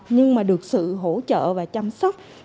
nhưng mà được sự hỗ trợ và chăm sóc của chính quyền